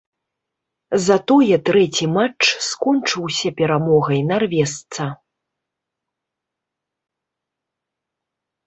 Затое трэці матч скончыўся перамогай нарвежца.